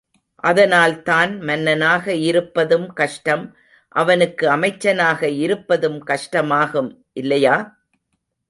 அதனால்தான் மன்னனாக இருப்பதும் கஷ்டம் அவனுக்கு அமைச்சனாக இருப்பதும் கஷ்டமாகும் இல்லையா?